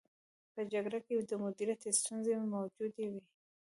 په جګړه کې د مدیریت ستونزې موجودې وې.